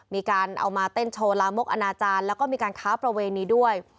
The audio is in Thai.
มีการเอามาเต้นโชว์ลามกอนาจารย์แล้วก็มีการค้าประเวณีด้วย